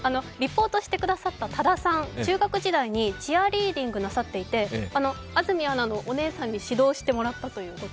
リポートしてくださった多田さん、中学時代にチアリーディングをなさっていて安住アナのお姉さんに指導してもらったという。